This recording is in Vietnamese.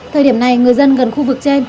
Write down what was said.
thời điểm này người dân gần khu vực trên